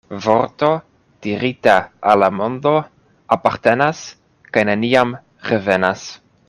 Vorto dirita al la mondo apartenas kaj neniam revenas.